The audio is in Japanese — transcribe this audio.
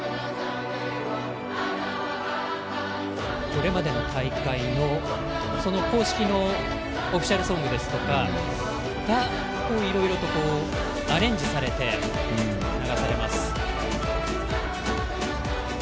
これまでの大会の公式のオフィシャルソングですとかいろいろとアレンジされて、流されます。